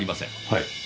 はい。